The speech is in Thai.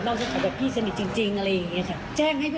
นอกจากพี่สนิทจริงอะไรอย่างนี้ค่ะ